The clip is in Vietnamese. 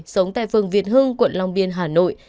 sống tại phường việt hưng quận long biên hà nội